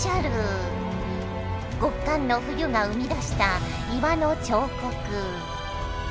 極寒の冬が生み出した岩の彫刻。